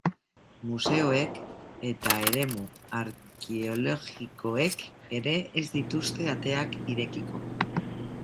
Museoek eta eremu arkeologikoek ere ez dituzte ateak irekiko.